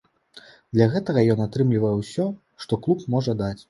Для гэтага ён атрымлівае ўсё, што клуб можа даць.